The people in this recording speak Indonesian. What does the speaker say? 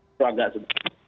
itu agak sedikit